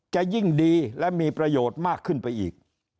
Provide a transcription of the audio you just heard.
จะยิ่งดีและมีประโยชน์มากขึ้นไปอีก